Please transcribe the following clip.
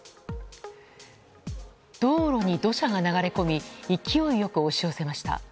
道路に土砂が流れ込み勢いよく押し寄せました。